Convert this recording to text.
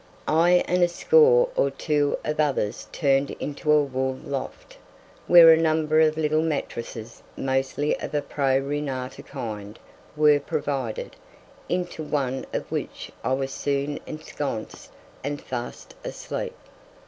I and a score or two of others turned into a wool loft, where a number of little mattresses, mostly of a pro re nata kind, were provided, into one of which I was soon ensconced and fast asleep.